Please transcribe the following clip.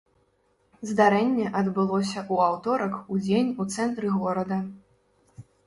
Здарэнне адбылося ў аўторак удзень у цэнтры горада.